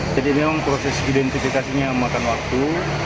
jadi memang proses identifikasinya memakan waktu